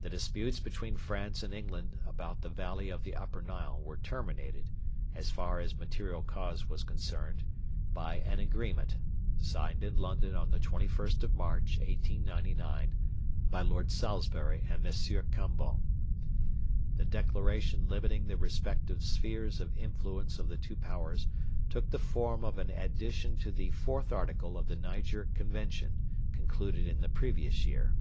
The disputes between France and England about the valley of the Upper Nile were terminated, as far as material cause was concerned, by an Agreement, signed in London on the 21st of March, 1899, by Lord Salisbury and M. Cambon. The Declaration limiting the respective spheres of influence of the two Powers took the form of an addition to the IVth Article of the Niger Convention, concluded in the previous year.